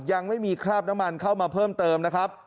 ยังไม่มีคราบน้ำมันเข้ามาเพิ่มเติมนะครับ